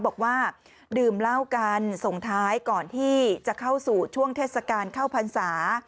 บอกว่าดื่มเหล้ากันส่งท้ายก่อนที่จะเข้าสู่ช่วงเทศกาลเข้าพรรษา